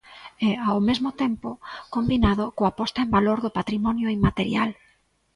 E ao mesmo tempo combinado coa posta en valor do patrimonio inmaterial.